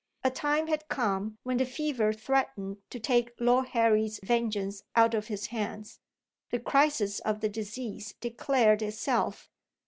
A time had come when the fever threatened to take Lord Harry's vengeance out of his hands. The crisis of the disease declared itself.